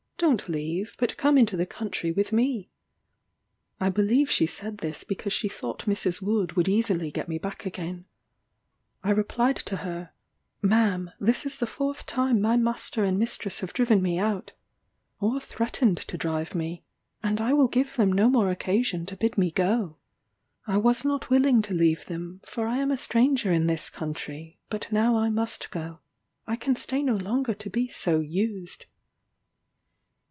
Don't leave, but come into the country with me." I believe she said this because she thought Mrs. Wood would easily get me back again. I replied to her, "Ma'am, this is the fourth time my master and mistress have driven me out, or threatened to drive me and I will give them no more occasion to bid me go. I was not willing to leave them, for I am a stranger in this country, but now I must go I can stay no longer to be so used."